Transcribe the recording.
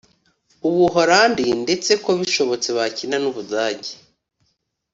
u Buholandi ndetse ko bishobotse bakina n’u Budage